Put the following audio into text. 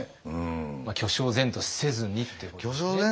巨匠然とせずにっていうことですよね。